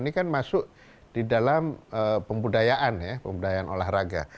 ini kan masuk di dalam pembudayaan ya pembudayaan olahraga